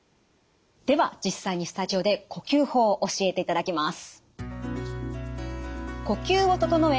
では実際にスタジオで呼吸法教えていただきます。